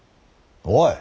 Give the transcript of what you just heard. おい。